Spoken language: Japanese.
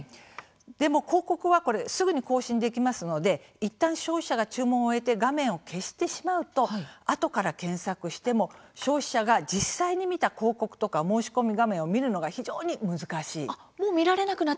でも、広告はすぐに更新できますのでいったん消費者が注文を終えて画面を消してしまうとあとから検索しても消費者が実際に見た広告とか申し込み画面を見るのが非常に難しいんですね。